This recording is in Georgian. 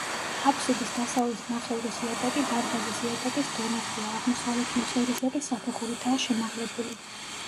აფსიდის დასავლეთ ნახევრის იატაკი დარბაზის იატაკის დონეზეა, აღმოსავლეთ ნახევრისა კი საფეხურითაა შემაღლებული.